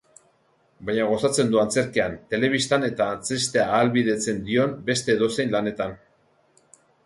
Baina gozatzen du antzerkian, telebistan eta antzestea ahalbidetzen dion beste edozein lanetan.